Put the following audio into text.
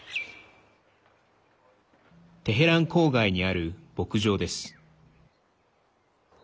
テヘラン郊外にある牧場です。